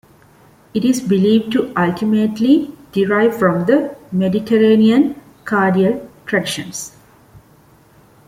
It is believed to ultimately derive from the Mediterranean Cardial-Traditions.